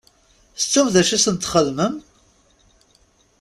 Tettum d acu i sent-txedmem?